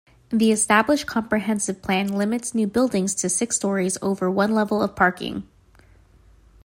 The established comprehensive plan limits new buildings to six-stories over one-level of parking.